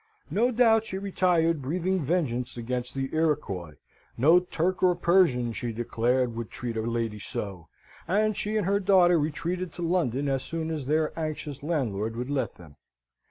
No doubt she retired breathing vengeance against the Iroquois: no Turk or Persian, she declared, would treat a lady so: and she and her daughter retreated to London as soon as their anxious landlord would let them.